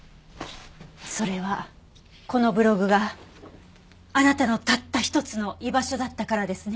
それはこのブログがあなたのたった一つの居場所だったからですね。